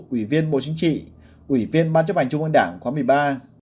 ủy viên bộ chính trị ủy viên ban chấp hành trung ương đảng khóa một mươi ba